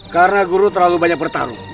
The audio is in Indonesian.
karena guru terlalu banyak bertarung